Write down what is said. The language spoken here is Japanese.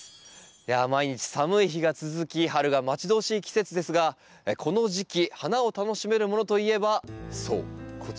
いや毎日寒い日が続き春が待ち遠しい季節ですがこの時期花を楽しめるものといえばそうこちらのウメです。